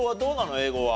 英語は。